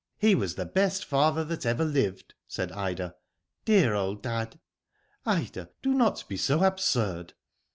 " He was the best father that ever lived," said Ida. *^Dear old dad!'* '* Ida, do not be so absurd."